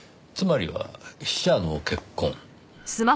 つまりは死者の結婚。